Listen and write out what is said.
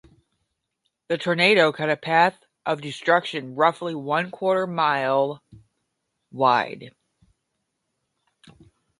The tornado cut a path of destruction roughly one quarter mile wide.